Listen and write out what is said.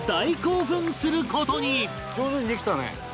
上手にできたね。